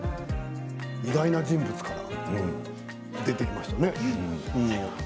意外な人物から出てきましたね。